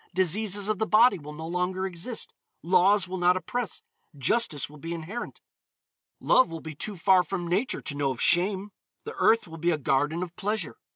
Diseases of the body will no longer exist. Laws will not oppress. Justice will be inherent. Love will be too far from Nature to know of shame. The earth will be a garden of pleasure.